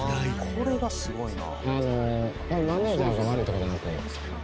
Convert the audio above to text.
「これがすごいな」